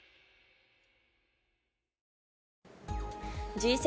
Ｇ７